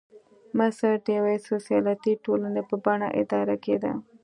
مصر د یوې سوسیالیستي ټولنې په بڼه اداره کېده.